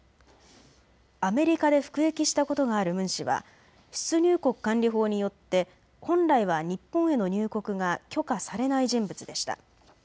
アメリカで服役したことがあるムン氏は出入国管理法によって本来は日本への入国が許可されない人物でした。